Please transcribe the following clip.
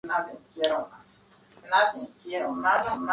Vertical" por sus compañeros de grupo debido a su gran dominio de la armonía.